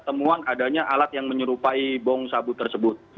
temuan adanya alat yang menyerupai bong sabu tersebut